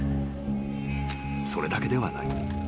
［それだけではない］